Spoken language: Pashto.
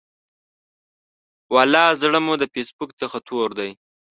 ولا زړه مو د فیسبوک څخه تور دی.